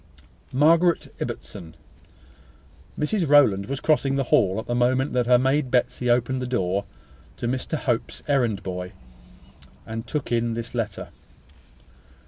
"Margaret Ibbotson." Mrs Rowland was crossing the hall at the moment that her maid Betsy opened the door to Mr Hope's errand boy, and took in this letter.